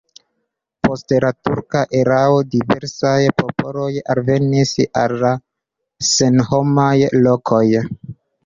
Post la turka erao diversaj popoloj alvenis al la senhomaj lokoj.